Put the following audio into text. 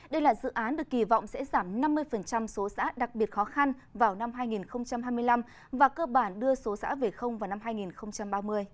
đây là dự án được kỳ vọng sẽ giảm năm mươi số xã đặc biệt khó khăn vào năm hai nghìn hai mươi năm và cơ bản đưa số xã về vào năm hai nghìn ba mươi